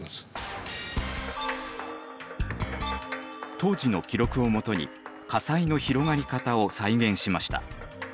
当時の記録をもとに火災の広がり方を再現しました。